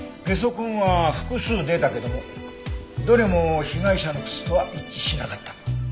ゲソ痕は複数出たけどもどれも被害者の靴とは一致しなかった。